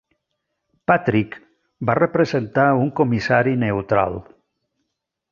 Patrick va representar un comissari neutral.